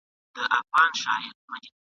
وارخطا سوه لالهانده ګرځېدله !.